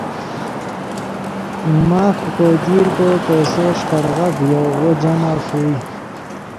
ماف پے کوئے دیر کو پیسو ݰیکڑغف ڤیو وو جمع ݰوئے